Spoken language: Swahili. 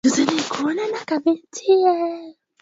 hadi kusababisha rais wa nchi hiyo hee ben ali